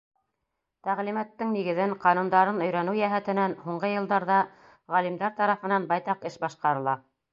Тәғлимәттең нигеҙен, ҡанундарын өйрәнеү йәһәтенән һуңғы йылдарҙа ғалимдар тарафынан байтаҡ эш башҡарыла.